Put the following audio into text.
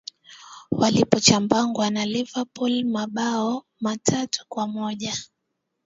walipochabangwa na liverpool mambao matatu kwa moja